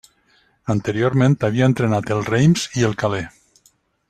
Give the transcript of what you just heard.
Anteriorment havia entrenat el Reims i el Calais.